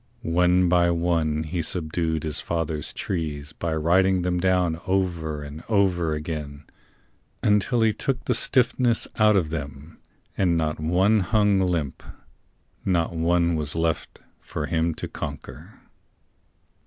One by one he subdued his father's trees By riding them down over and over again Until he took the stiffness out of them, And not one but hung limp, not one was left For him to conquer.